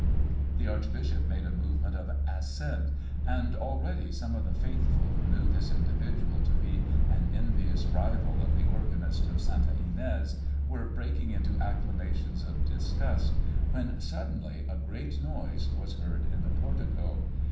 The archbishop made a movement of assent; and already some of the faithful, who knew this individual to be an envious rival of the organist of Santa Inés, were breaking into exclamations of disgust when suddenly a great noise was heard in the portico.